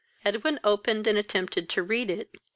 Edwin opened and attempted to read it.